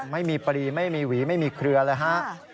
ไม่มีปรีไม่มีหวีไม่มีเครือเลยฮะ